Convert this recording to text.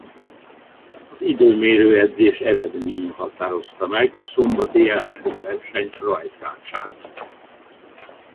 Az időmérő edzés eredménye határozta meg a szombati első verseny rajtrácsát.